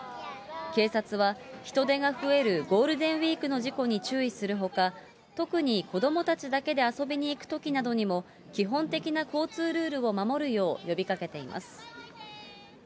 警察は、人手が増えるゴールデンウィークの事故に注意するほか、特に子どもたちだけで遊びに行くときなどにも基本的な交通ルールを守るよう呼びかけています。